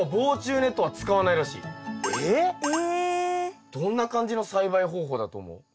しかもどんな感じの栽培方法だと思う？